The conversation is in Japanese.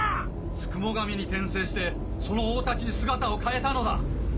九十九神に転生してその大太刀に姿を変えたのだ！